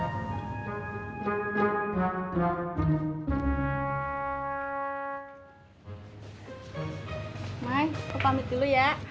mai aku pamit dulu ya